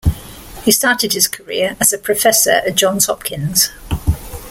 He started his career as a Professor at Johns Hopkins.